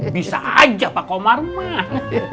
bisa aja pak komar mah